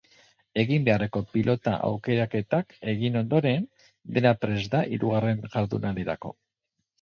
Egin beharreko pilota aukeraketak egin ondoren, dena prest da hirugarren jardunaldirako.